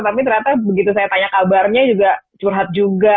tapi ternyata begitu saya tanya kabarnya juga curhat juga